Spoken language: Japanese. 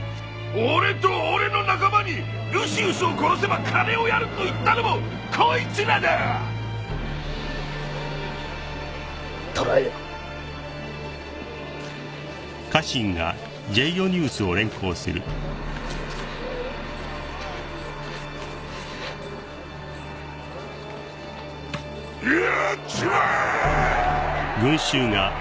俺と俺の仲間にルシウスを殺せば金をやると言ったのもこいつらだ捕らえよやっちまえ！